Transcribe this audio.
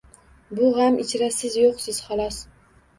Bu gʻam ichra siz yoʻqsiz xolos.